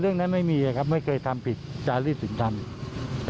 อ๋อเรื่องนั้นไม่มีครับไม่เคยทำผิดจารย์รีดสินคัน